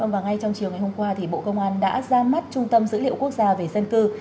và ngay trong chiều ngày hôm qua thì bộ công an đã ra mắt trung tâm dữ liệu quốc gia về dân cư